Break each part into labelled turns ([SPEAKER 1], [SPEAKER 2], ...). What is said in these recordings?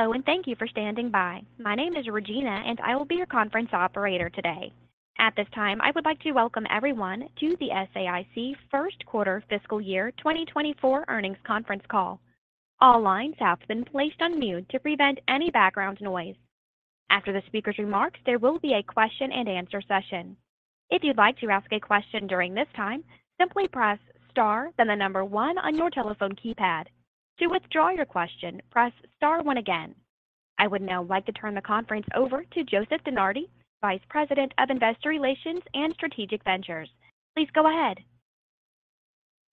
[SPEAKER 1] Hello, and thank you for standing by. My name is Regina, and I will be your conference operator today. At this time, I would like to welcome everyone to the SAIC First Quarter Fiscal Year 2024 Earnings Conference Call. All lines have been placed on mute to prevent any background noise. After the speaker's remarks, there will be a question-and-answer session. If you'd like to ask a question during this time, simply press star, then the number one on your telephone keypad. To withdraw your question, press star one again. I would now like to turn the conference over to Joseph DeNardi, Vice President of Investor Relations and Strategic Ventures. Please go ahead.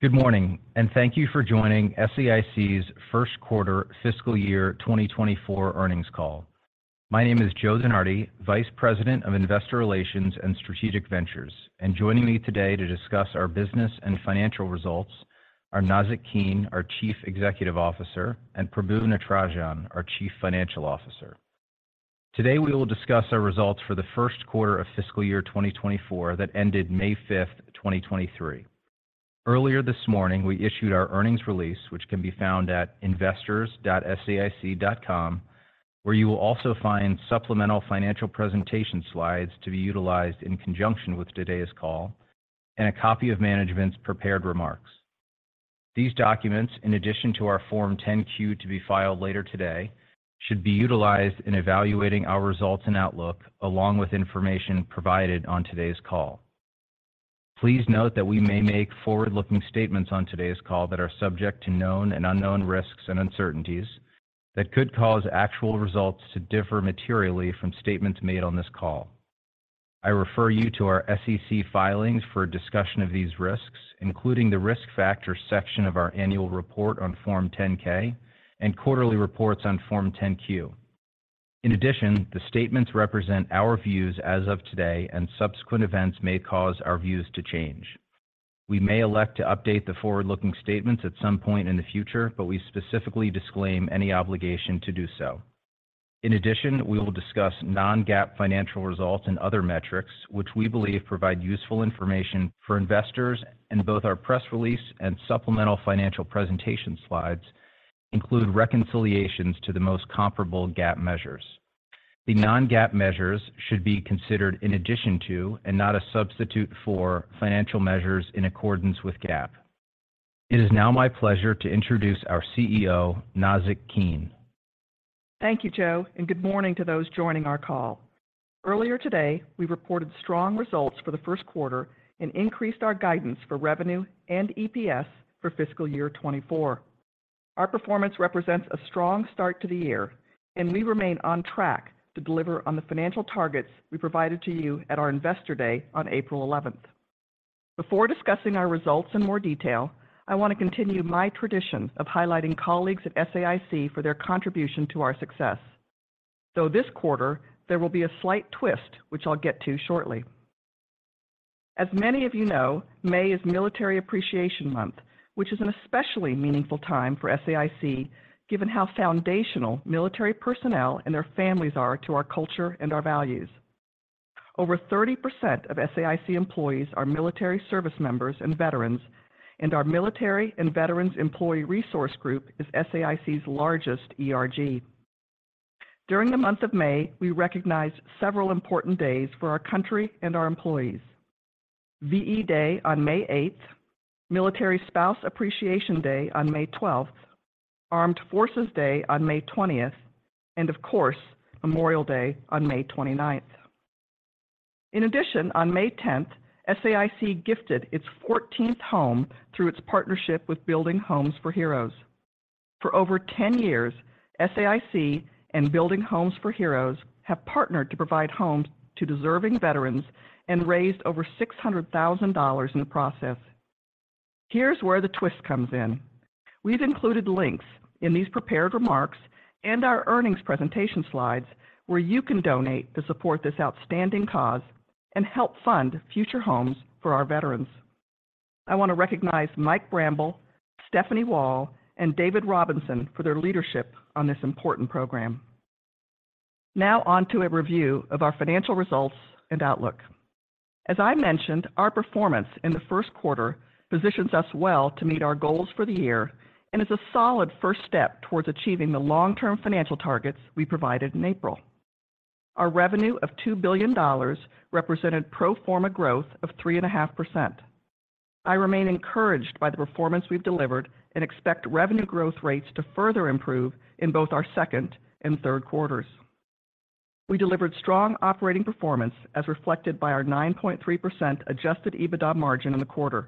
[SPEAKER 2] Good morning, and thank you for joining SAIC's First Quarter Fiscal Year 2024 earnings call. My name is Joseph DeNardi, Vice President of Investor Relations and Strategic Ventures, and joining me today to discuss our business and financial results are Nazzic Keene, our Chief Executive Officer, and Prabu Natarajan, our Chief Financial Officer. Today, we will discuss our results for the first quarter of fiscal year 2024 that ended May 5th, 2023. Earlier this morning, we issued our earnings release, which can be found at investors.saic.com, where you will also find supplemental financial presentation slides to be utilized in conjunction with today's call and a copy of management's prepared remarks. These documents, in addition to our Form 10-Q to be filed later today, should be utilized in evaluating our results and outlook, along with information provided on today's call. Please note that we may make forward-looking statements on today's call that are subject to known and unknown risks and uncertainties that could cause actual results to differ materially from statements made on this call. I refer you to our SEC filings for a discussion of these risks, including the Risk Factors section of our Annual Report on Form 10-K and Quarterly Reports on Form 10-Q. In addition, the statements represent our views as of today, and subsequent events may cause our views to change. We may elect to update the forward-looking statements at some point in the future, but we specifically disclaim any obligation to do so. In addition, we will discuss non-GAAP financial results and other metrics, which we believe provide useful information for investors, and both our press release and supplemental financial presentation slides include reconciliations to the most comparable GAAP measures. The non-GAAP measures should be considered in addition to, and not a substitute for, financial measures in accordance with GAAP. It is now my pleasure to introduce our CEO, Nazzic Keene.
[SPEAKER 3] Thank you, Joe, and good morning to those joining our call. Earlier today, we reported strong results for the first quarter and increased our guidance for revenue and EPS for fiscal year 2024. Our performance represents a strong start to the year, and we remain on track to deliver on the financial targets we provided to you at our Investor Day on April 11th. Before discussing our results in more detail, I want to continue my tradition of highlighting colleagues at SAIC for their contribution to our success. Though this quarter, there will be a slight twist, which I'll get to shortly. As many of you know, May is Military Appreciation Month, which is an especially meaningful time for SAIC, given how foundational military personnel and their families are to our culture and our values. Over 30% of SAIC employees are military service members and veterans. Our Military and Veterans Employee Resource Group is SAIC's largest ERG. During the month of May, we recognize several important days for our country and our employees: V-E Day on May 8th, Military Spouse Appreciation Day on May 12th, Armed Forces Day on May 20th. Of course, Memorial Day on May 29th. In addition, on May 10th, SAIC gifted its 14th home through its partnership with Building Homes for Heroes. For over 10 years, SAIC and Building Homes for Heroes have partnered to provide homes to deserving veterans and raised over $600,000 in the process. Here's where the twist comes in. We've included links in these prepared remarks and our earnings presentation slides where you can donate to support this outstanding cause and help fund future homes for our veterans. I want to recognize Mike Bramble, Stefanie Wall, and David Robinson for their leadership on this important program. Now onto a review of our financial results and outlook. As I mentioned, our performance in the first quarter positions us well to meet our goals for the year and is a solid first step towards achieving the long-term financial targets we provided in April. Our revenue of $2 billion represented pro forma growth of 3.5%. I remain encouraged by the performance we've delivered and expect revenue growth rates to further improve in both our second and third quarters. We delivered strong operating performance, as reflected by our 9.3% adjusted EBITDA margin in the quarter.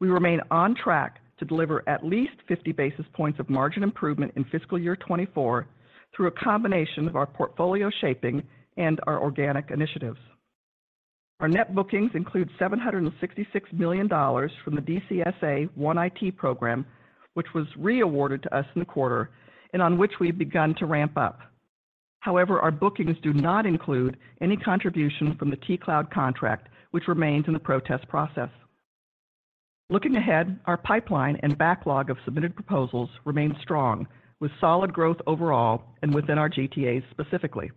[SPEAKER 3] We remain on track to deliver at least 50 basis points of margin improvement in fiscal year 2024 through a combination of our portfolio shaping and our organic initiatives. Our net bookings include $766 million from the DCSA One IT program, which was re-awarded to us in the quarter and on which we've begun to ramp up. However, our bookings do not include any contribution from the T-Cloud contract, which remains in the protest process. Looking ahead, our pipeline and backlog of submitted proposals remain strong, with solid growth overall and within our GTAs specifically.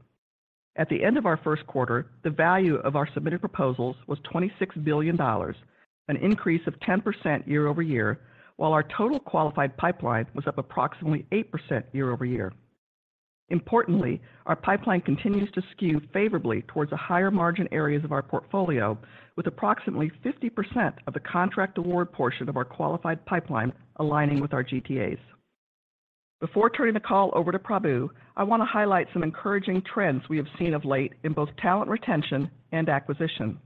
[SPEAKER 3] At the end of our first quarter, the value of our submitted proposals was $26 billion, an increase of 10% year-over-year, while our total qualified pipeline was up approximately 8% year-over-year. Importantly, our pipeline continues to skew favorably towards the higher margin areas of our portfolio, with approximately 50% of the contract award portion of our qualified pipeline aligning with our GTAs. Before turning the call over to Prabu, I want to highlight some encouraging trends we have seen of late in both talent retention and acquisition.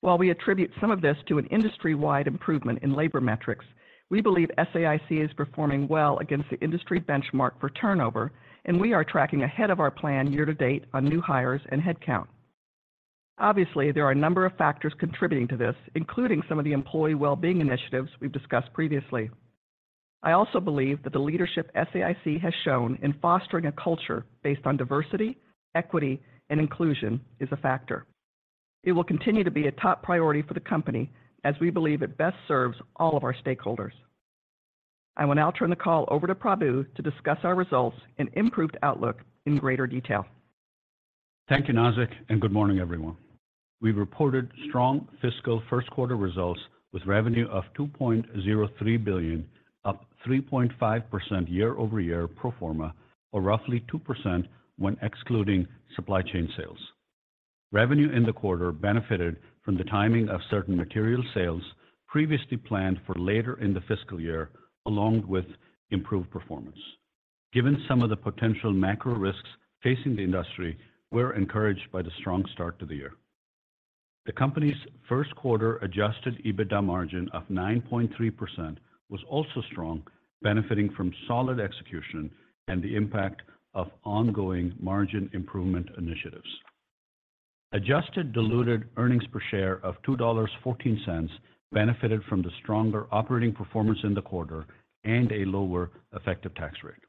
[SPEAKER 3] While we attribute some of this to an industry-wide improvement in labor metrics, we believe SAIC is performing well against the industry benchmark for turnover, and we are tracking ahead of our plan year to date on new hires and headcount. Obviously, there are a number of factors contributing to this, including some of the employee well-being initiatives we've discussed previously. I also believe that the leadership SAIC has shown in fostering a culture based on diversity, equity, and inclusion is a factor. It will continue to be a top priority for the company as we believe it best serves all of our stakeholders. I will now turn the call over to Prabu to discuss our results and improved outlook in greater detail.
[SPEAKER 4] Thank you, Nazzic, and good morning, everyone. We've reported strong fiscal first quarter results with revenue of $2.03 billion, up 3.5% year-over-year pro forma, or roughly 2% when excluding supply chain sales. Revenue in the quarter benefited from the timing of certain material sales previously planned for later in the fiscal year, along with improved performance. Given some of the potential macro risks facing the industry, we're encouraged by the strong start to the year. The company's first quarter adjusted EBITDA margin of 9.3% was also strong, benefiting from solid execution and the impact of ongoing margin improvement initiatives. Adjusted diluted earnings per share of $2.14 benefited from the stronger operating performance in the quarter and a lower effective tax rate.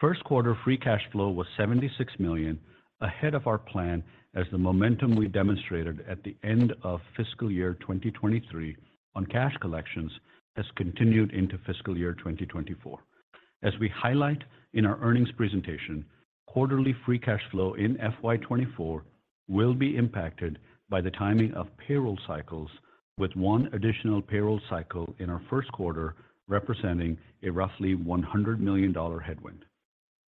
[SPEAKER 4] First quarter free cash flow was $76 million, ahead of our plan, as the momentum we demonstrated at the end of fiscal year 2023 on cash collections has continued into fiscal year 2024. As we highlight in our earnings presentation, quarterly free cash flow in FY 2024 will be impacted by the timing of payroll cycles, with one additional payroll cycle in our first quarter, representing a roughly $100 million headwind.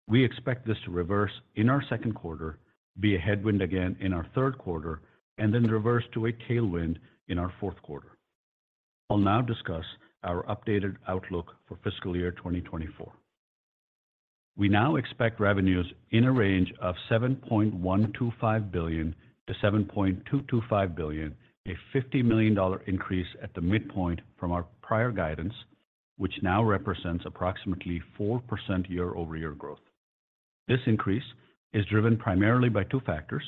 [SPEAKER 4] We expect this to reverse in our second quarter, be a headwind again in our third quarter, and then reverse to a tailwind in our fourth quarter. I'll now discuss our updated outlook for fiscal year 2024. We now expect revenues in a range of $7.125 billion-$7.225 billion, a $50 million increase at the midpoint from our prior guidance, which now represents approximately 4% year-over-year growth. This increase is driven primarily by two factors: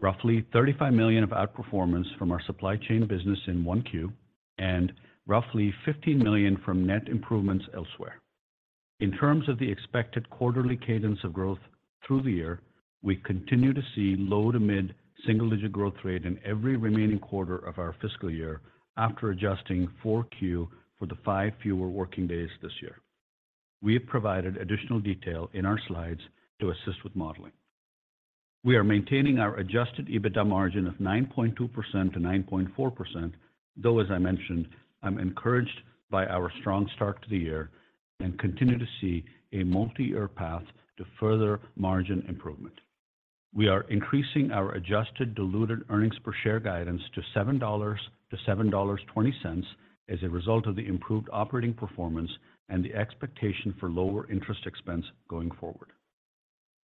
[SPEAKER 4] roughly $35 million of outperformance from our supply chain business in 1Q, and roughly $15 million from net improvements elsewhere. In terms of the expected quarterly cadence of growth through the year, we continue to see low- to mid-single-digit growth rate in every remaining quarter of our fiscal year, after adjusting 4Q for the five fewer working days this year. We have provided additional detail in our slides to assist with modeling. We are maintaining our adjusted EBITDA margin of 9.2%-9.4%, though, as I mentioned, I'm encouraged by our strong start to the year and continue to see a multiyear path to further margin improvement. We are increasing our adjusted diluted earnings per share guidance to $7.00-$7.20 as a result of the improved operating performance and the expectation for lower interest expense going forward.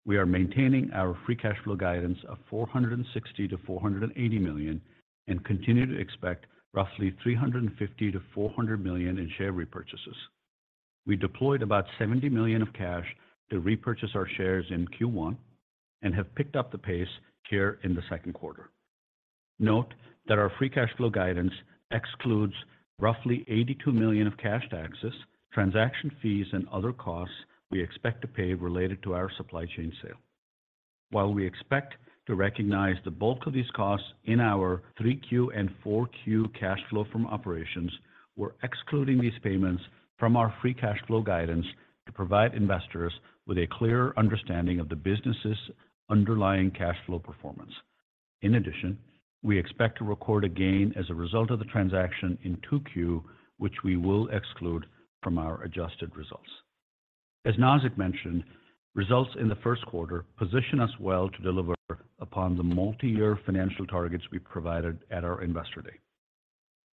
[SPEAKER 4] We are maintaining our free cash flow guidance of $460 million-$480 million, and continue to expect roughly $350 million-$400 million in share repurchases. We deployed about $70 million of cash to repurchase our shares in Q1 and have picked up the pace here in the second quarter. Note that our free cash flow guidance excludes roughly $82 million of cash taxes, transaction fees, and other costs we expect to pay related to our supply chain sale. While we expect to recognize the bulk of these costs in our 3Q and 4Q cash flow from operations, we're excluding these payments from our free cash flow guidance to provide investors with a clear understanding of the business's underlying cash flow performance. In addition, we expect to record a gain as a result of the transaction in 2Q, which we will exclude from our adjusted results. As Nazzic mentioned, results in the first quarter position us well to deliver upon the multi-year financial targets we provided at our Investor Day.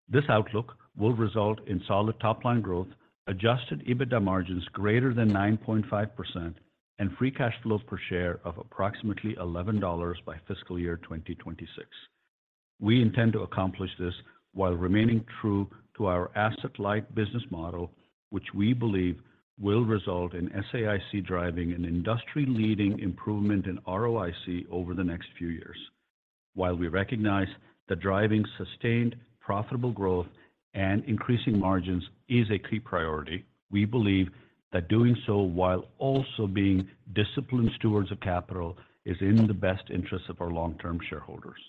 [SPEAKER 4] This outlook will result in solid top line growth, adjusted EBITDA margins greater than 9.5%, and free cash flows per share of approximately $11 by fiscal year 2026. We intend to accomplish this while remaining true to our asset-light business model, which we believe will result in SAIC driving an industry-leading improvement in ROIC over the next few years. While we recognize that driving sustained, profitable growth and increasing margins is a key priority, we believe that doing so while also being disciplined stewards of capital, is in the best interest of our long-term shareholders.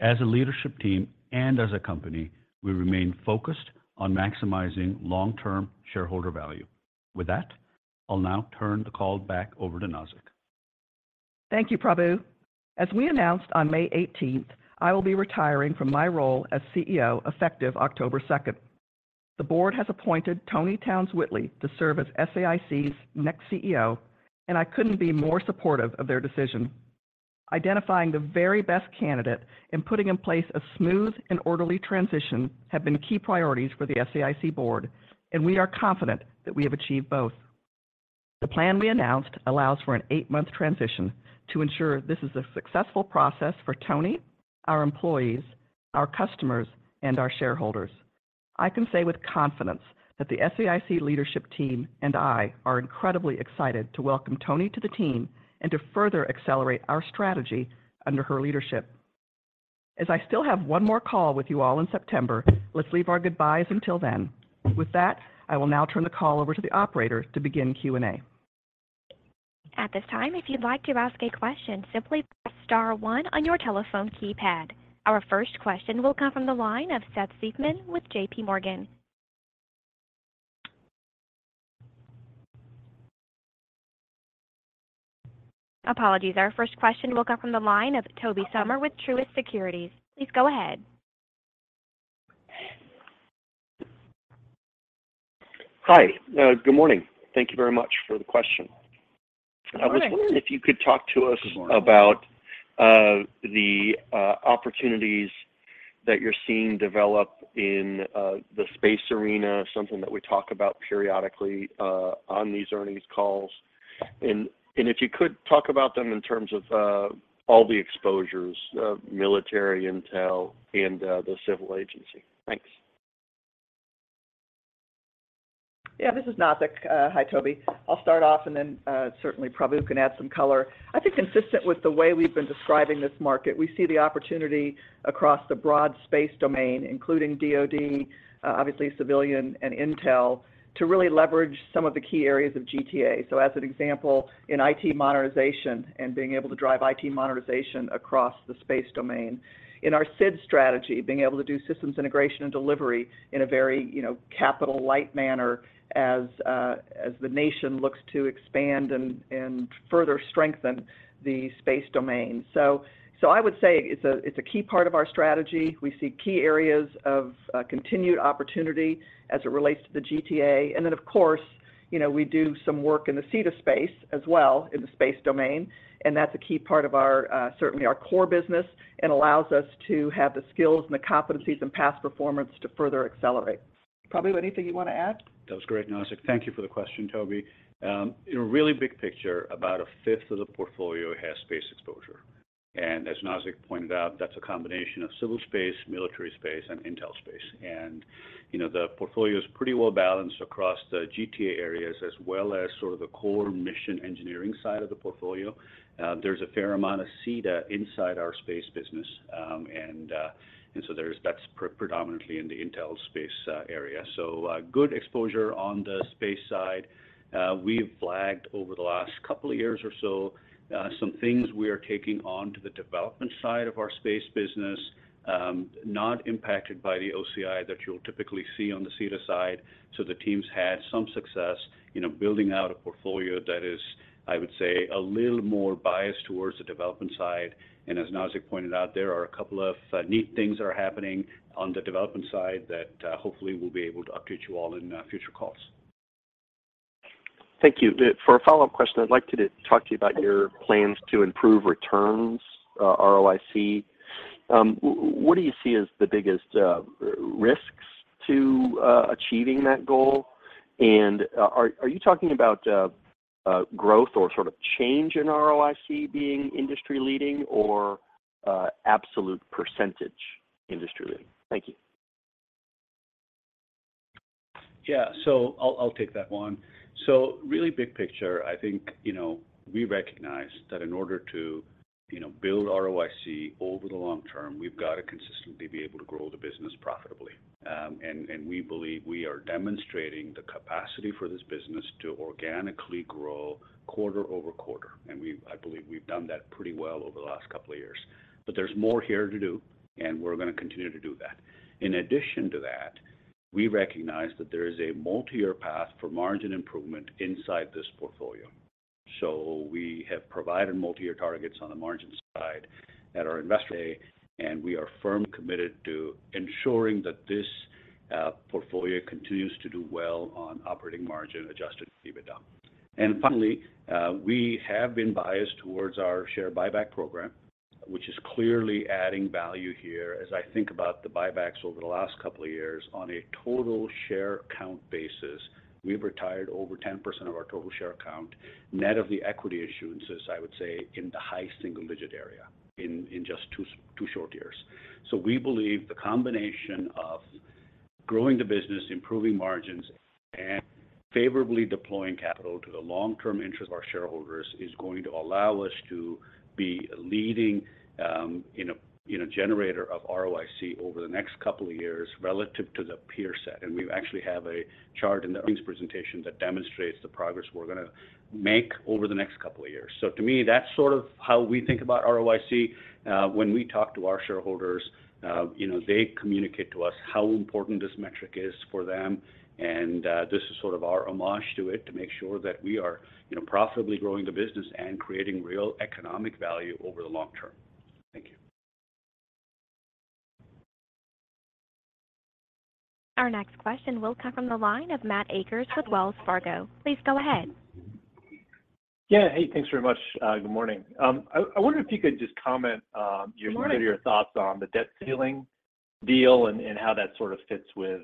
[SPEAKER 4] As a leadership team and as a company, we remain focused on maximizing long-term shareholder value. With that, I'll now turn the call back over to Nazzic.
[SPEAKER 3] Thank you, Prabu. As we announced on May 18th, I will be retiring from my role as CEO, effective October 2nd. The board has appointed Toni Townes-Whitley to serve as SAIC's next CEO, and I couldn't be more supportive of their decision. Identifying the very best candidate and putting in place a smooth and orderly transition have been key priorities for the SAIC board, and we are confident that we have achieved both. The plan we announced allows for an eight-month transition to ensure this is a successful process for Toni, our employees, our customers, and our shareholders. I can say with confidence that the SAIC leadership team and I are incredibly excited to welcome Toni to the team and to further accelerate our strategy under her leadership. As I still have one more call with you all in September, let's leave our goodbyes until then. With that, I will now turn the call over to the Operator to begin Q&A.
[SPEAKER 1] At this time, if you'd like to ask a question, simply press star one on your telephone keypad. Our first question will come from the line of Seth Seifman with JPMorgan. Apologies. Our first question will come from the line of Tobey Sommer with Truist Securities. Please go ahead.
[SPEAKER 5] Hi. good morning. Thank you very much for the question.
[SPEAKER 3] Good morning.
[SPEAKER 4] Good morning.
[SPEAKER 5] I was wondering if you could talk to us about, the opportunities that you're seeing develop in the space arena, something that we talk about periodically on these earnings calls. If you could talk about them in terms of all the exposures, military, intel, and the civil agency. Thanks.
[SPEAKER 3] This is Nazzic. Hi, Tobey. I'll start off, and then, certainly Prabu can add some color. I think consistent with the way we've been describing this market, we see the opportunity across the broad space domain, including DoD, obviously civilian and intel, to really leverage some of the key areas of GTA. As an example, in IT modernization and being able to drive IT modernization across the space domain. In our SID strategy, being able to do systems integration and delivery in a very, you know, capital-light manner as the nation looks to expand and further strengthen the space domain. I would say it's a key part of our strategy. We see key areas of continued opportunity as it relates to the GTA. Of course, you know, we do some work in the SDA space as well, in the space domain, and that's a key part of certainly our core business and allows us to have the skills and the competencies and past performance to further accelerate. Prabu, anything you want to add?
[SPEAKER 4] That was great, Nazzic. Thank you for the question, Tobey. In a really big picture, about a fifth of the portfolio has space exposure, and as Nazzic pointed out, that's a combination of civil space, military space, and intel space. You know, the portfolio is pretty well balanced across the GTA areas, as well as sort of the core mission engineering side of the portfolio. There's a fair amount of SDA inside our space business, and so that's predominantly in the intel space area. Good exposure on the space side. We've flagged over the last two years or so, some things we are taking on to the development side of our space business, not impacted by the OCI that you'll typically see on the SDA side. The teams had some success in building out a portfolio that is, I would say, a little more biased towards the development side. As Nazzic pointed out, there are a couple of neat things that are happening on the development side that hopefully we'll be able to update you all in future calls.
[SPEAKER 5] Thank you. For a follow-up question, I'd like to talk to you about your plans to improve returns, ROIC. What do you see as the biggest risks to achieving that goal? Are you talking about growth or sort of change in ROIC being industry-leading, or absolute percentage industry-leading? Thank you.
[SPEAKER 4] I'll take that one. Really big picture, I think, you know, we recognize that in order to, you know, build ROIC over the long term, we've got to consistently be able to grow the business profitably. We believe we are demonstrating the capacity for this business to organically grow quarter-over-quarter, and I believe we've done that pretty well over the last couple of years. There's more here to do, and we're going to continue to do that. In addition to that, we recognize that there is a multi-year path for margin improvement inside this portfolio. We have provided multi-year targets on the margin side at our Investor Day, and we are firmly committed to ensuring that this portfolio continues to do well on operating margin-adjusted EBITDA. Finally, we have been biased towards our share buyback program, which is clearly adding value here. As I think about the buybacks over the last couple of years, on a total share count basis, we've retired over 10% of our total share count, net of the equity issuances, I would say, in the high single-digit area in two short years. We believe the combination of growing the business, improving margins and favorably deploying capital to the long-term interest of our shareholders is going to allow us to be a leading, you know, generator of ROIC over the next couple of years relative to the peer set. We actually have a chart in the earnings presentation that demonstrates the progress we're gonna make over the next couple of years. To me, that's sort of how we think about ROIC. When we talk to our shareholders, you know, they communicate to us how important this metric is for them, and this is sort of our homage to it to make sure that we are, you know, profitably growing the business and creating real economic value over the long term. Thank you.
[SPEAKER 1] Our next question will come from the line of Matt Akers with Wells Fargo. Please go ahead.
[SPEAKER 6] Yeah. Hey, thanks very much. Good morning.
[SPEAKER 3] Good morning.
[SPEAKER 6] I wonder if you could just comment on, sort of, your thoughts on the debt ceiling deal and how that sort of fits with,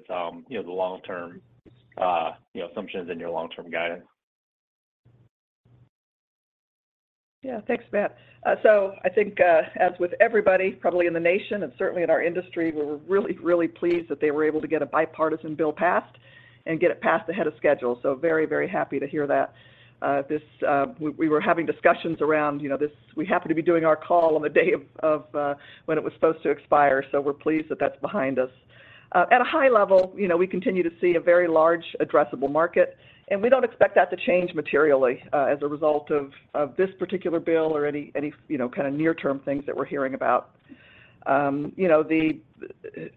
[SPEAKER 6] you know, the long-term, you know, assumptions in your long-term guidance.
[SPEAKER 3] Yeah. Thanks, Matt. I think, as with everybody, probably in the nation and certainly in our industry, we're really, really pleased that they were able to get a bipartisan bill passed and get it passed ahead of schedule. Very, very happy to hear that. We were having discussions around, you know, we happen to be doing our call on the day of when it was supposed to expire, so we're pleased that that's behind us. At a high level, you know, we continue to see a very large addressable market, and we don't expect that to change materially, as a result of this particular bill or any, you know, kind of near-term things that we're hearing about. You know,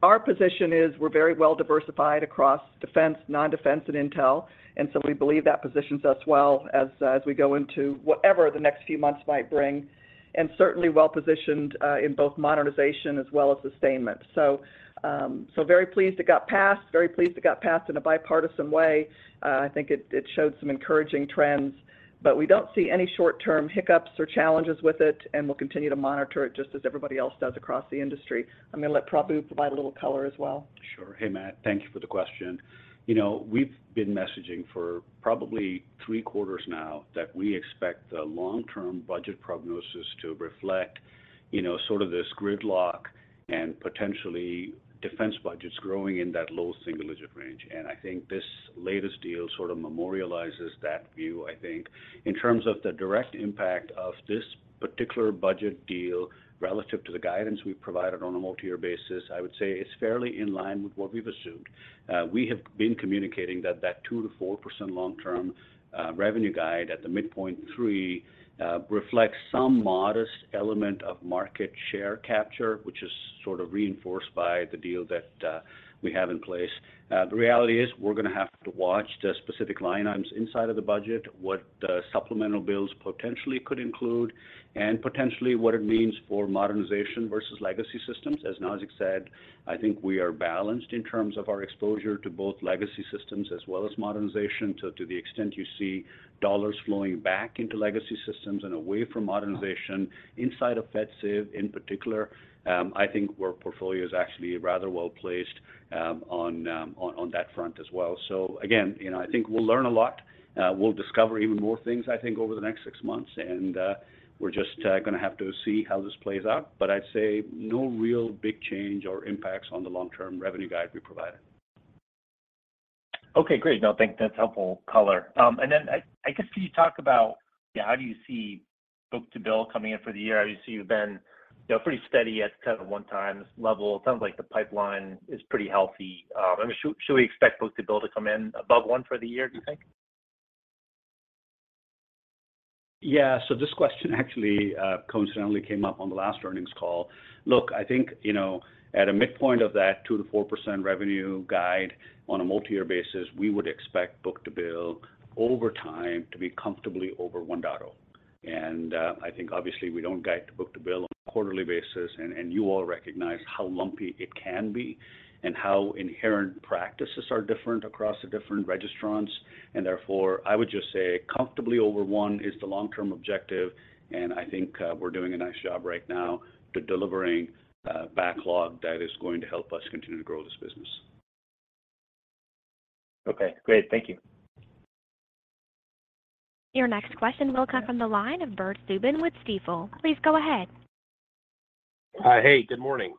[SPEAKER 3] our position is we're very well-diversified across defense, non-defense, and intel, and so we believe that positions us well as we go into whatever the next few months might bring, and certainly well-positioned in both modernization as well as sustainment. Very pleased it got passed, very pleased it got passed in a bipartisan way. I think it showed some encouraging trends, but we don't see any short-term hiccups or challenges with it, and we'll continue to monitor it just as everybody else does across the industry. I'm gonna let Prabu provide a little color as well.
[SPEAKER 4] Sure. Hey, Matt. Thank you for the question. You know, we've been messaging for probably three quarters now that we expect the long-term budget prognosis to reflect, you know, sort of this gridlock and potentially defense budgets growing in that low single-digit range. I think this latest deal sort of memorializes that view, I think. In terms of the direct impact of this particular budget deal relative to the guidance we've provided on a multi-year basis, I would say it's fairly in line with what we've assumed. We have been communicating that that 2%-4% long-term revenue guide at the midpoint 3%, reflects some modest element of market share capture, which is sort of reinforced by the deal that we have in place. The reality is, we're gonna have to watch the specific line items inside of the budget, what the supplemental bills potentially could include, and potentially what it means for modernization versus legacy systems. As Nazzic said, I think we are balanced in terms of our exposure to both legacy systems as well as modernization. To the extent you see dollars flowing back into legacy systems and away from modernization inside of FedCiv, in particular, I think our portfolio is actually rather well-placed on that front as well. Again, you know, I think we'll learn a lot. We'll discover even more things, I think, over the next six months. We're just gonna have to see how this plays out. I'd say no real big change or impacts on the long-term revenue guide we provided.
[SPEAKER 6] Okay, great. No, that's helpful color. I guess, can you talk about, yeah, how do you see book-to-bill coming in for the year? Obviously, you've been, you know, pretty steady at kind of 1x level. It sounds like the pipeline is pretty healthy. I mean, should we expect book-to-bill to come in above 1 for the year, do you think?
[SPEAKER 4] Yeah. This question actually coincidentally came up on the last earnings call. Look, I think, you know, at a midpoint of that 2%-4% revenue guide on a multi-year basis, we would expect book-to-bill over time to be comfortably over 1.0. I think obviously we don't guide to book-to-bill on a quarterly basis, and you all recognize how lumpy it can be and how inherent practices are different across the different registrants. Therefore, I would just say comfortably over 1 is the long-term objective, and I think we're doing a nice job right now to delivering backlog that is going to help us continue to grow this business.
[SPEAKER 6] Okay, great. Thank you.
[SPEAKER 1] Your next question will come from the line of Bert Subin with Stifel. Please go ahead.
[SPEAKER 7] Hi. Hey, good morning.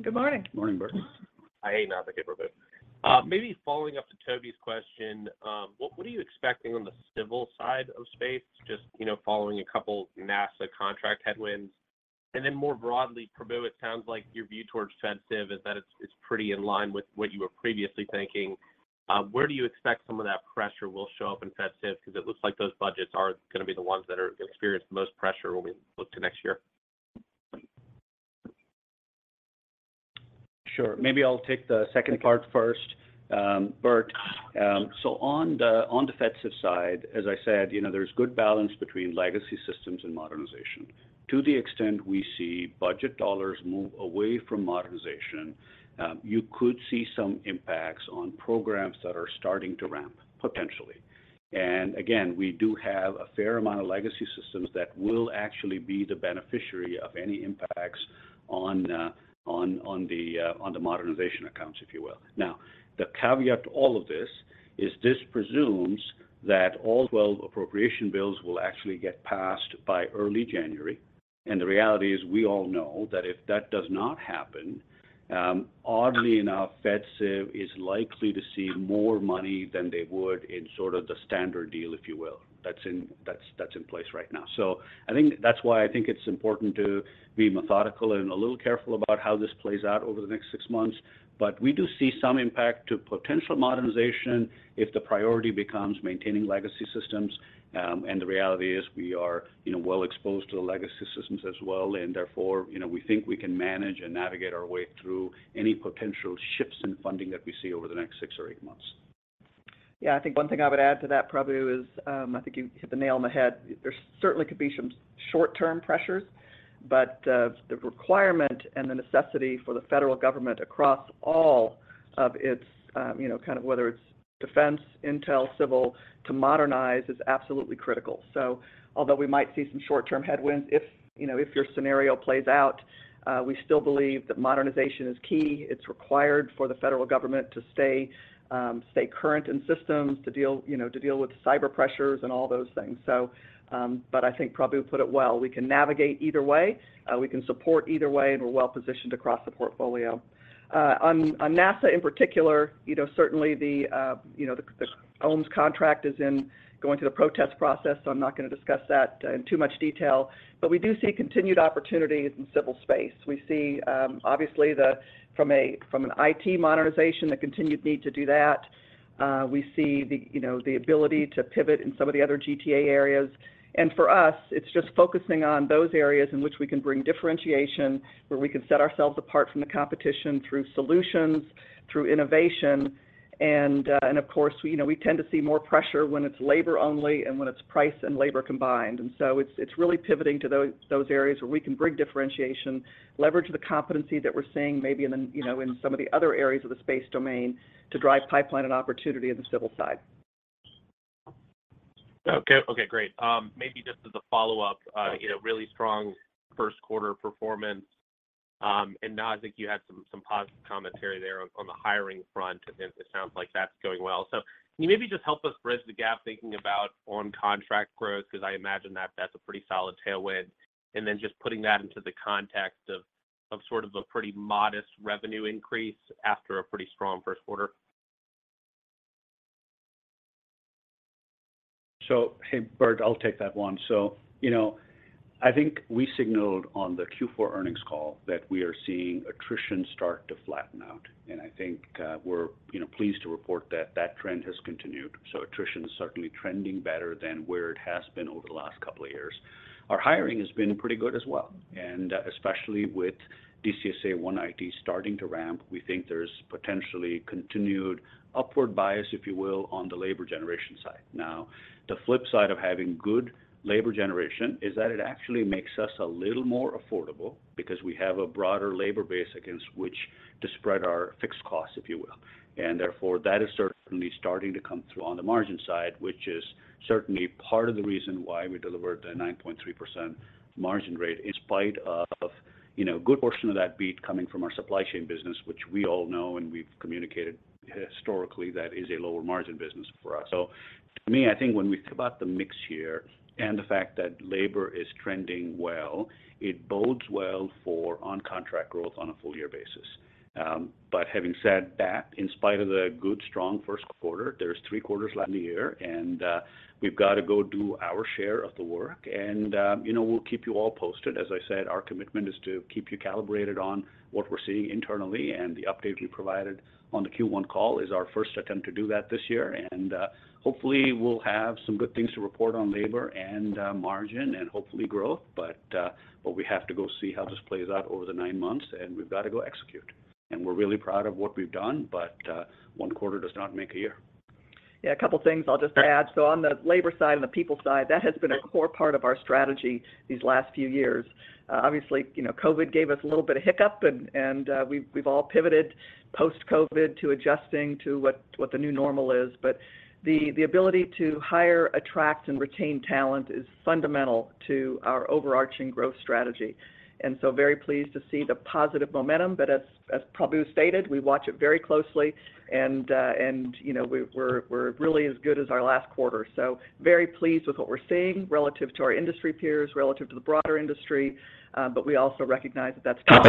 [SPEAKER 3] Good morning.
[SPEAKER 4] Good morning, Bert.
[SPEAKER 7] Hi. Hey, Nazzic and Prabu. Maybe following up to Tobey's question, what are you expecting on the civil side of space? Just, you know, following a couple NASA contract headwinds. More broadly, Prabu, it sounds like your view towards FedCiv is that it's pretty in line with what you were previously thinking. Where do you expect some of that pressure will show up in FedCiv? It looks like those budgets are gonna be the ones that are gonna experience the most pressure when we look to next year.
[SPEAKER 4] Sure. Maybe I'll take the second part first, Bert. On the FedCiv side, as I said, you know, there's good balance between legacy systems and modernization. To the extent we see budget dollars move away from modernization, you could see some impacts on programs that are starting to ramp, potentially. Again, we do have a fair amount of legacy systems that will actually be the beneficiary of any impacts on the modernization accounts, if you will. The caveat to all of this is this presumes that all 12 appropriation bills will actually get passed by early January. The reality is, we all know that if that does not happen, oddly enough, FedCiv is likely to see more money than they would in sort of the standard deal, if you will. That's in place right now. I think that's why I think it's important to be methodical and a little careful about how this plays out over the next six months. We do see some impact to potential modernization if the priority becomes maintaining legacy systems. The reality is we are, you know, well exposed to the legacy systems as well, and therefore, you know, we think we can manage and navigate our way through any potential shifts in funding that we see over the next six or eight months.
[SPEAKER 3] I think one thing I would add to that, Prabu, is, I think you hit the nail on the head. There certainly could be some short-term pressures, but the requirement and the necessity for the federal government across all of its, you know, kind of whether it's defense, intel, civil, to modernize, is absolutely critical. Although we might see some short-term headwinds, if, you know, if your scenario plays out, we still believe that modernization is key. It's required for the federal government to stay current in systems, to deal, you know, to deal with cyber pressures and all those things. I think Prabu put it well. We can navigate either way, we can support either way, and we're well-positioned across the portfolio. On NASA in particular, you know, certainly, you know, the OMES contract is in going through the protest process, so I'm not gonna discuss that in too much detail, but we do see continued opportunities in civil space. We see, obviously, from an IT modernization, the continued need to do that. We see, you know, the ability to pivot in some of the other GTA areas. For us, it's just focusing on those areas in which we can bring differentiation, where we can set ourselves apart from the competition through solutions, through innovation. Of course, you know, we tend to see more pressure when it's labor only and when it's price and labor combined. It's really pivoting to those areas where we can bring differentiation, leverage the competency that we're seeing, maybe in the, you know, in some of the other areas of the space domain to drive pipeline and opportunity in the civil side.
[SPEAKER 7] Okay, great. Maybe just as a follow-up, you know, really strong first quarter performance, and now I think you had some positive commentary there on the hiring front, and it sounds like that's going well. Can you maybe just help us bridge the gap, thinking about on-contract growth? I imagine that's a pretty solid tailwind, and then just putting that into the context of sort of a pretty modest revenue increase after a pretty strong first quarter.
[SPEAKER 4] Hey, Bert, I'll take that one. You know, I think we signaled on the Q4 earnings call that we are seeing attrition start to flatten out, and I think, you know, pleased to report that that trend has continued. Attrition is certainly trending better than where it has been over the last couple of years. Our hiring has been pretty good as well, and especially with DCSA One IT starting to ramp, we think there's potentially continued upward bias, if you will, on the labor generation side. The flip side of having good labor generation is that it actually makes us a little more affordable because we have a broader labor base against which to spread our fixed costs, if you will. Therefore, that is certainly starting to come through on the margin side, which is certainly part of the reason why we delivered a 9.3% margin rate, in spite of, you know, a good portion of that beat coming from our supply chain business, which we all know and we've communicated historically, that is a lower margin business for us. To me, I think when we think about the mix here and the fact that labor is trending well, it bodes well for on-contract growth on a full year basis. Having said that, in spite of the good, strong first quarter, there's three quarters left in the year, we've got to go do our share of the work. You know, we'll keep you all posted. As I said, our commitment is to keep you calibrated on what we're seeing internally, and the update we provided on the Q1 call is our first attempt to do that this year. Hopefully, we'll have some good things to report on labor and margin and hopefully growth. But we have to go see how this plays out over the nine months, and we've got to go execute. We're really proud of what we've done, but one quarter does not make a year.
[SPEAKER 3] Yeah, a couple of things I'll just add. On the labor side and the people side, that has been a core part of our strategy these last few years. Obviously, you know, COVID gave us a little bit of hiccup, and we've all pivoted post-COVID to adjusting to what the new normal is. The ability to hire, attract, and retain talent is fundamental to our overarching growth strategy. Very pleased to see the positive momentum, but as Prabu stated, we watch it very closely, and, you know, we're really as good as our last quarter. Very pleased with what we're seeing relative to our industry peers, relative to the broader industry, but we also recognize that that's top.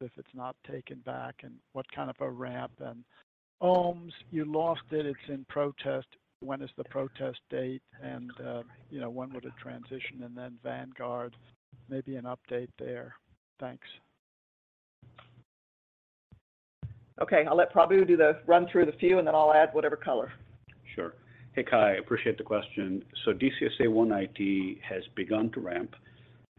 [SPEAKER 8] If it's not taken back, and what kind of a ramp? OMES, you lost it. It's in protest. When is the protest date, you know, when would it transition? Vanguard, maybe an update there. Thanks.
[SPEAKER 3] Okay, I'll let Prabu do the run through the few, and then I'll add whatever color.
[SPEAKER 4] Sure. Hey, Cai, appreciate the question. DCSA One IT has begun to ramp,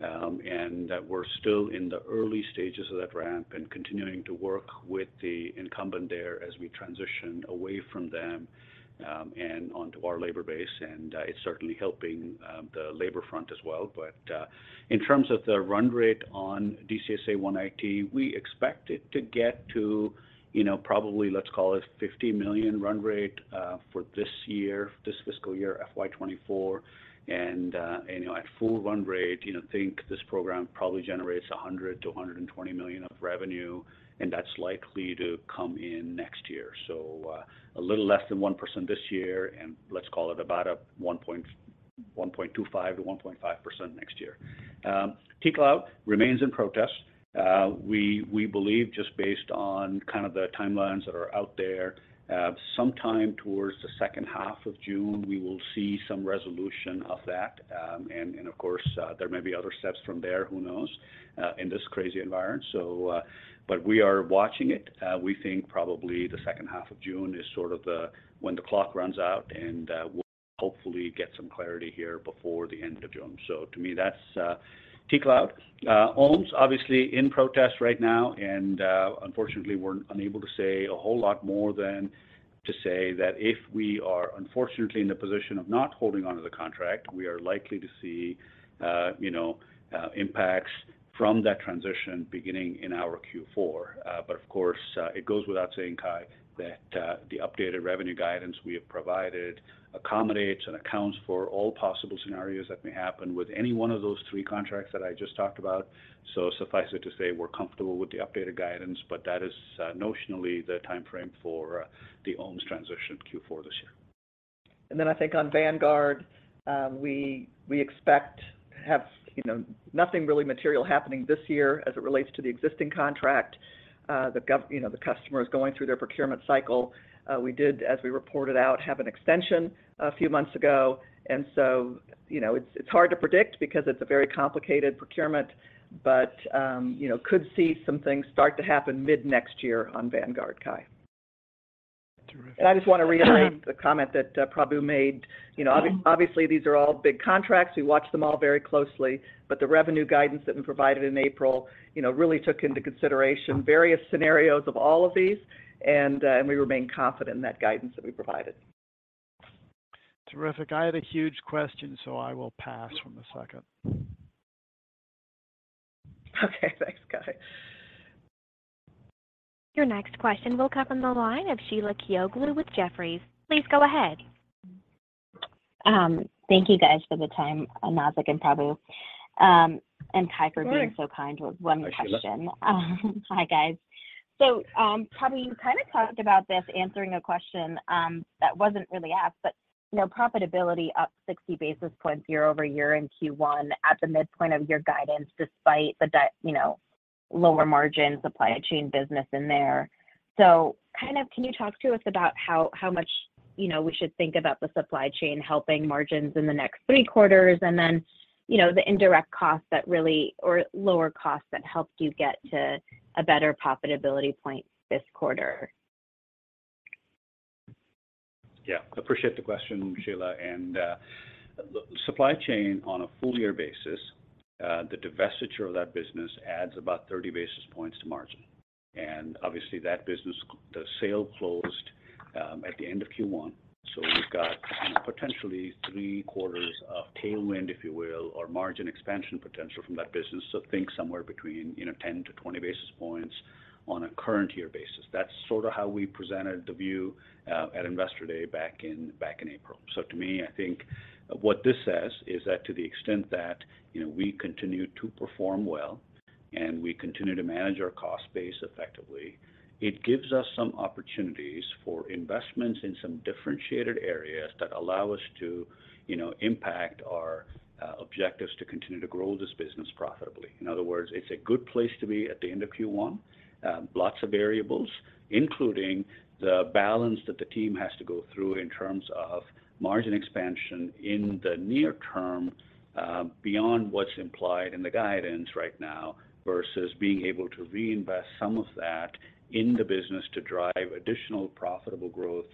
[SPEAKER 4] and we're still in the early stages of that ramp and continuing to work with the incumbent there as we transition away from them and onto our labor base. It's certainly helping the labor front as well. In terms of the run rate on DCSA One IT, we expect it to get to, you know, probably, let's call it $50 million run rate for this fiscal year, FY 2024. At full run rate, you know, think this program probably generates $100 million-$120 million of revenue, and that's likely to come in next year. A little less than 1% this year, and let's call it about a 1.25%-1.5% next year. T-Cloud remains in protest. We believe, just based on kind of the timelines that are out there, sometime towards the second half of June, we will see some resolution of that. Of course, there may be other steps from there, who knows, in this crazy environment. We are watching it. We think probably the second half of June is sort of the when the clock runs out, and, we'll hopefully get some clarity here before the end of June. To me, that's, T-Cloud. OMES, obviously in protest right now. Unfortunately, we're unable to say a whole lot more than to say that if we are unfortunately in the position of not holding onto the contract, we are likely to see, you know, impacts from that transition beginning in our Q4. Of course, it goes without saying, Cai, that the updated revenue guidance we have provided accommodates and accounts for all possible scenarios that may happen with any one of those three contracts that I just talked about. Suffice it to say, we're comfortable with the updated guidance, but that is, notionally the timeframe for the OMES transition Q4 this year.
[SPEAKER 3] I think on Vanguard, we expect to have, you know, nothing really material happening this year as it relates to the existing contract. The customer is going through their procurement cycle. We did, as we reported out, have an extension a few months ago. You know, it's hard to predict because it's a very complicated procurement, but, you know, could see some things start to happen mid-next year on Vanguard, Cai. I just want to reiterate the comment that Prabu made. You know, obviously, these are all big contracts. We watch them all very closely. The revenue guidance that we provided in April, you know, really took into consideration various scenarios of all of these, and we remain confident in that guidance that we provided.
[SPEAKER 8] Terrific. I had a huge question, so I will pass for the second.
[SPEAKER 3] Okay, thanks, Cai.
[SPEAKER 1] Your next question will come on the line of Sheila Kahyaoglu with Jefferies. Please go ahead.
[SPEAKER 9] Thank you, guys, for the time, Nazzic and Prabu, and Cai for being so kind with one question.
[SPEAKER 8] Absolutely.
[SPEAKER 9] Hi, guys. Prabu, you kind of talked about this, answering a question that wasn't really asked, but, you know, profitability up 60 basis points year-over-year in Q1 at the midpoint of your guidance, despite the, you know, lower margin supply chain business in there. Kind of, can you talk to us about how much, you know, we should think about the supply chain helping margins in the next three quarters, and then, you know, the indirect costs or lower costs that helped you get to a better profitability point this quarter?
[SPEAKER 4] Yeah, appreciate the question, Sheila. supply chain on a full year basis, the divestiture of that business adds about 30 basis points to margin. Obviously, that business, the sale closed at the end of Q1. We've got potentially three quarters of tailwind, if you will, or margin expansion potential from that business. Think somewhere between, you know, 10 to 20 basis points on a current year basis. That's sort of how we presented the view at Investor Day back in April. To me, I think what this says is that to the extent that, you know, we continue to perform well and we continue to manage our cost base effectively, it gives us some opportunities for investments in some differentiated areas that allow us to, you know, impact our objectives to continue to grow this business profitably. In other words, it's a good place to be at the end of Q1. Lots of variables, including the balance that the team has to go through in terms of margin expansion in the near term, beyond what's implied in the guidance right now, versus being able to reinvest some of that in the business to drive additional profitable growth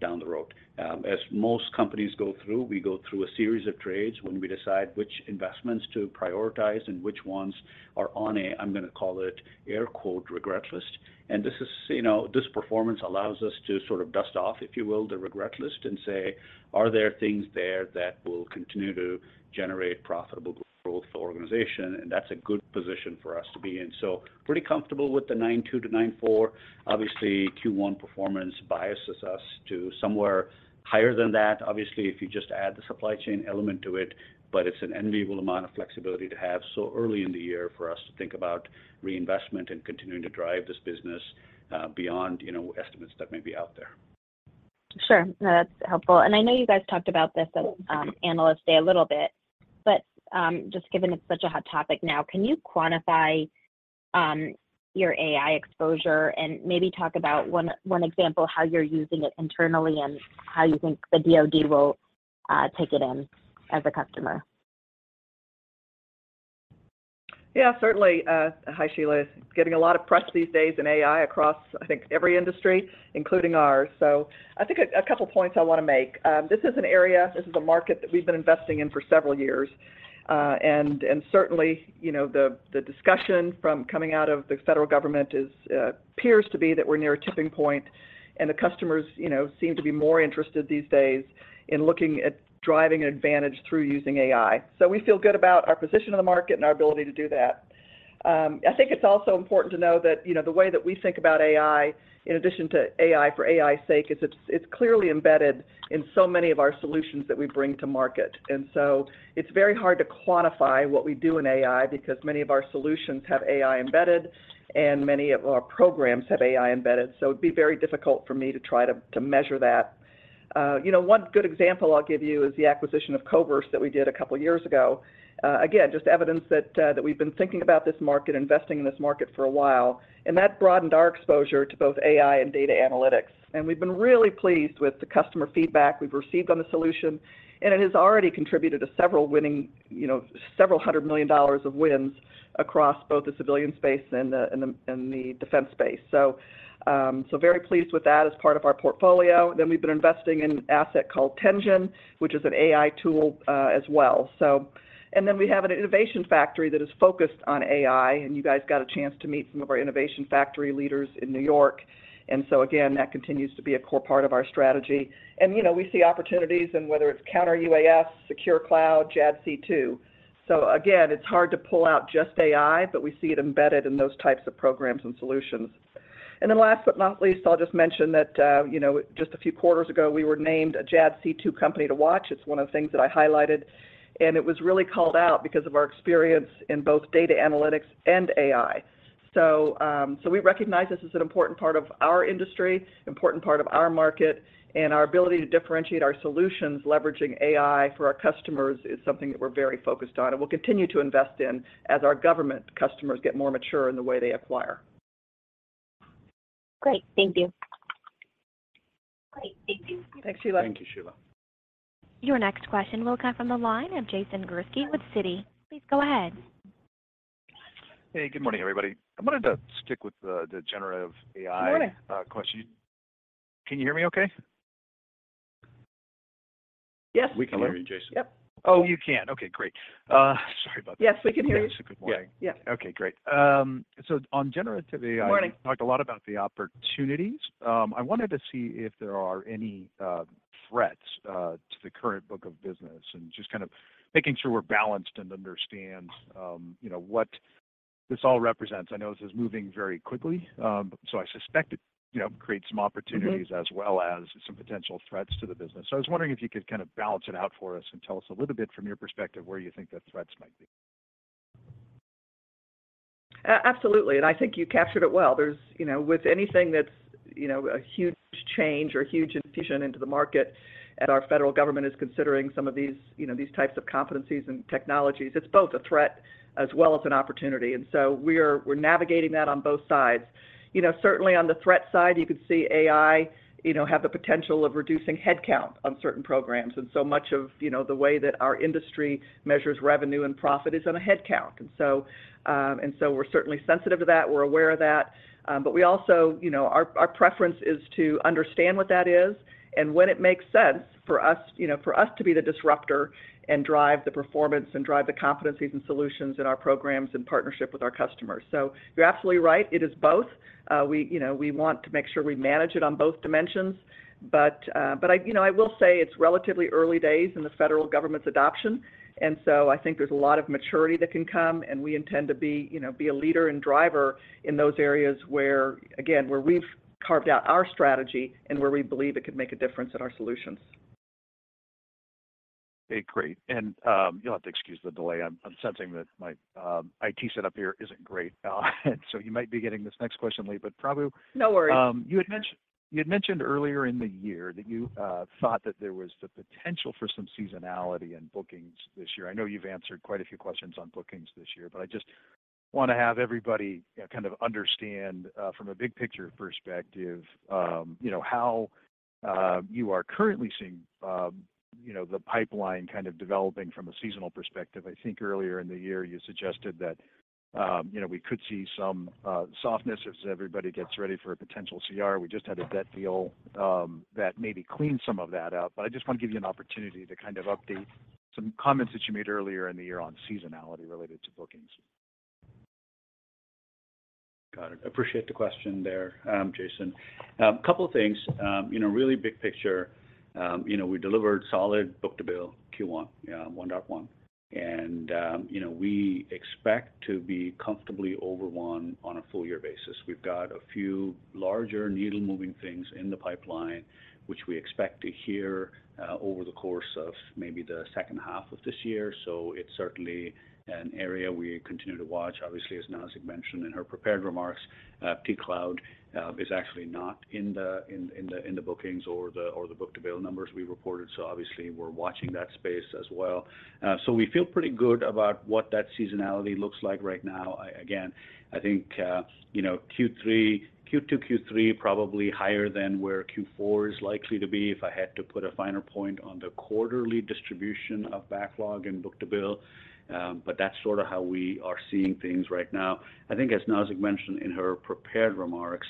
[SPEAKER 4] down the road. As most companies go through, we go through a series of trades when we decide which investments to prioritize and which ones are on a, I'm going to call it, air quote, regret list. This is, you know, this performance allows us to sort of dust off, if you will, the regret list and say: Are there things there that will continue to generate profitable growth for the organization? That's a good position for us to be in. Pretty comfortable with the 9.2-9.4. Obviously, Q1 performance biases us to somewhere higher than that. Obviously, if you just add the supply chain element to it, but it's an enviable amount of flexibility to have so early in the year for us to think about reinvestment and continuing to drive this business beyond, you know, estimates that may be out there.
[SPEAKER 9] Sure. No, that's helpful. I know you guys talked about this at Analyst Day a little bit, but, just given it's such a hot topic now, can you quantify your AI exposure and maybe talk about one example of how you're using it internally, and how you think the DoD will take it in as a customer?
[SPEAKER 3] Certainly. Hi, Sheila. It's getting a lot of press these days in AI across, I think, every industry, including ours. I think a couple points I wanna make. This is an area, this is a market that we've been investing in for several years. Certainly, you know, the discussion from coming out of the federal government is, appears to be that we're near a tipping point, and the customers, you know, seem to be more interested these days in looking at driving an advantage through using AI. We feel good about our position in the market and our ability to do that. I think it's also important to know that, you know, the way that we think about AI, in addition to AI for AI's sake, it's clearly embedded in so many of our solutions that we bring to market. It's very hard to quantify what we do in AI because many of our solutions have AI embedded, and many of our programs have AI embedded, so it'd be very difficult for me to try to measure that. You know, one good example I'll give you is the acquisition of Koverse that we did a couple years ago. Again, just evidence that we've been thinking about this market, investing in this market for a while, and that broadened our exposure to both AI and data analytics. We've been really pleased with the customer feedback we've received on the solution, and it has already contributed to several winning, you know, several hundred million dollars of wins across both the civilian space and the defense space, so very pleased with that as part of our portfolio. We've been investing in an asset called Tenjin, which is an AI tool as well, so. We have an Innovation Factory that is focused on AI, and you guys got a chance to meet some of our Innovation Factory leaders in New York. Again, that continues to be a core part of our strategy. You know, we see opportunities, and whether it's Counter-UAS, Secure Cloud, JADC2. Again, it's hard to pull out just AI, but we see it embedded in those types of programs and solutions. Last but not least, I'll just mention that, you know, just a few quarters ago, we were named a JADC2 company to watch. It's one of the things that I highlighted, and it was really called out because of our experience in both data analytics and AI. We recognize this is an important part of our industry, important part of our market, and our ability to differentiate our solutions leveraging AI for our customers is something that we're very focused on and we'll continue to invest in as our government customers get more mature in the way they acquire.
[SPEAKER 9] Great. Thank you.
[SPEAKER 3] Great. Thank you.
[SPEAKER 2] Thanks, Sheila.
[SPEAKER 4] Thank you, Sheila.
[SPEAKER 1] Your next question will come from the line of Jason Gursky with Citi. Please go ahead.
[SPEAKER 10] Hey, good morning, everybody. I wanted to stick with the generative AI question. Can you hear me okay?
[SPEAKER 3] Yes.
[SPEAKER 4] We can hear you, Jason.
[SPEAKER 3] Yep.
[SPEAKER 10] Oh, you can. Okay, great. Sorry about that.
[SPEAKER 3] Yes, we can hear you.
[SPEAKER 10] Yes. Good morning.
[SPEAKER 3] Yeah. Good morning.
[SPEAKER 10] Okay, great. On generative AI, you talked a lot about the opportunities. I wanted to see if there are any threats to the current book of business, and just kind of making sure we're balanced and understand, you know, what this all represents. I know this is moving very quickly, so I suspect it, you know, creates some opportunities as well as some potential threats to the business. I was wondering if you could kind of balance it out for us and tell us a little bit from your perspective, where you think the threats might be?
[SPEAKER 3] Absolutely, I think you captured it well. You know, with anything that's, you know, a huge change or huge incision into the market, our federal government is considering some of these, you know, these types of competencies and technologies, it's both a threat as well as an opportunity. We're navigating that on both sides. You know, certainly on the threat side, you could see AI, you know, have the potential of reducing headcount on certain programs, so much of, you know, the way that our industry measures revenue and profit is on a headcount. We're certainly sensitive to that. We're aware of that. Also, you know, our preference is to understand what that is and when it makes sense for us, you know, for us to be the disruptor and drive the performance and drive the competencies and solutions in our programs in partnership with our customers. You're absolutely right, it is both. You know, we want to make sure we manage it on both dimensions, but I, you know, I will say it's relatively early days in the federal government's adoption, and so I think there's a lot of maturity that can come, and we intend to, you know, be a leader and driver in those areas where, again, where we've carved out our strategy and where we believe it could make a difference in our solutions.
[SPEAKER 10] Okay, great. You'll have to excuse the delay. I'm sensing that my IT setup here isn't great, you might be getting this next question late.
[SPEAKER 3] No worries.
[SPEAKER 10] You had mentioned earlier in the year that you thought that there was the potential for some seasonality in bookings this year. I know you've answered quite a few questions on bookings this year, I just wanna have everybody kind of understand from a big picture perspective, you know, how you are currently seeing, you know, the pipeline kind of developing from a seasonal perspective. I think earlier in the year, you suggested that, you know, we could see some softness as everybody gets ready for a potential CR. We just had a debt deal that maybe cleaned some of that out, I just wanna give you an opportunity to kind of update some comments that you made earlier in the year on seasonality related to bookings.
[SPEAKER 4] Got it. Appreciate the question there, Jason. Couple of things, you know, really big picture, you know, we delivered solid book-to-bill Q1, yeah, 1.1. You know, we expect to be comfortably over 1 on a full year basis. We've got a few larger needle-moving things in the pipeline, which we expect to hear over the course of maybe the second half of this year. It's certainly an area we continue to watch. Obviously, as Nazzic mentioned in her prepared remarks, T-Cloud is actually not in the bookings or the book-to-bill numbers we reported. Obviously, we're watching that space as well. We feel pretty good about what that seasonality looks like right now. Again, I think, you know, Q2, Q3, probably higher than where Q4 is likely to be, if I had to put a finer point on the quarterly distribution of backlog and book-to-bill. That's sort of how we are seeing things right now. I think as Nazzic mentioned in her prepared remarks,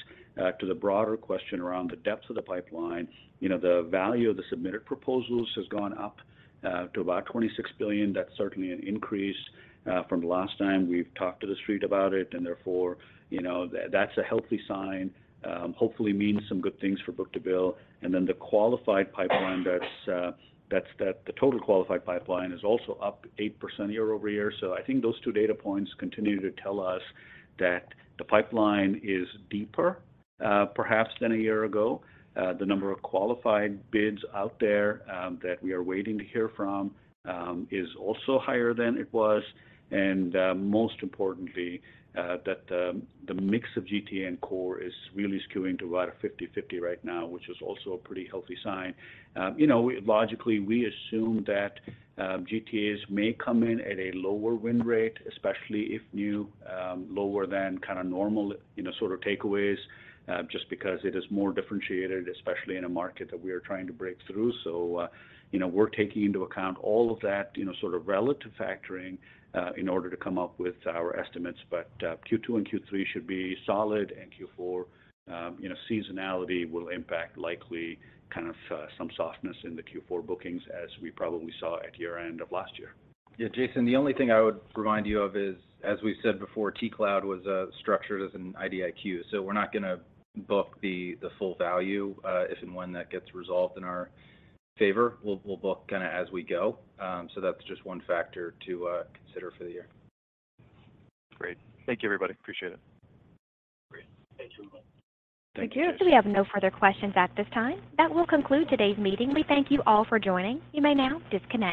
[SPEAKER 4] to the broader question around the depth of the pipeline, you know, the value of the submitted proposals has gone up to about $26 billion. That's certainly an increase from the last time we've talked to the street about it. Therefore, you know, that's a healthy sign. Hopefully means some good things for book-to-bill. Then the qualified pipeline, that's the total qualified pipeline is also up 8% year-over-year. I think those two data points continue to tell us that the pipeline is deeper, perhaps than a year ago. The number of qualified bids out there that we are waiting to hear from is also higher than it was, and most importantly, that the mix of GTA and core is really skewing to about a 50/50 right now, which is also a pretty healthy sign. You know, logically, we assume that GTAs may come in at a lower win rate, especially if new, lower than kind of normal, you know, sort of takeaways, just because it is more differentiated, especially in a market that we are trying to break through. You know, we're taking into account all of that, you know, sort of relative factoring in order to come up with our estimates, but Q2 and Q3 should be solid, and Q4, you know, seasonality will impact likely kind of some softness in the Q4 bookings, as we probably saw at year-end of last year.
[SPEAKER 2] Jason, the only thing I would remind you of is, as we said before, T-Cloud was structured as an IDIQ. We're not gonna book the full value if and when that gets resolved in our favor. We'll book kinda as we go. That's just one factor to consider for the year.
[SPEAKER 10] Great. Thank you, everybody. Appreciate it.
[SPEAKER 4] Great, thanks you.
[SPEAKER 1] Thank you. We have no further questions at this time. That will conclude today's meeting. We thank you all for joining. You may now disconnect.